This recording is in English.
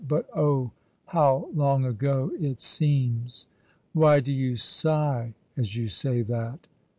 " But oh, how long ago it seems !"" Why do you sigh as you say that